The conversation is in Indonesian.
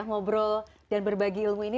ngobrol dan berbagi ilmu ini